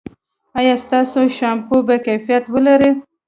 ایا ستاسو شامپو به کیفیت ولري؟